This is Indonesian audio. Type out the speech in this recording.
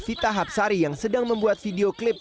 vita hapsari yang sedang membuat video klip